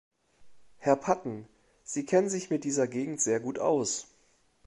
Herr Patten, Sie kennen sich mit dieser Gegend sehr gut aus.